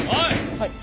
はい